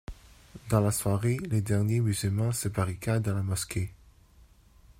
Dans la soirée, les derniers musulmans se barricadent dans la mosquée.